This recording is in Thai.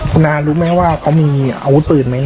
คุณอารู้ไหมว่าเขามีอาวุธปืนไหม